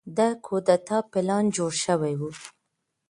د کودتا پلان جوړ شوی و.